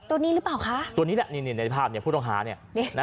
ตัวนี้หรือเปล่าคะตัวนี้แหละนี่นี่ในภาพเนี่ยผู้ต้องหาเนี่ยนะ